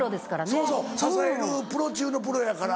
そうそう支えるプロ中のプロやから。